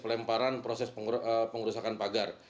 proses pembakaran proses pelemparan proses pengurusan pagar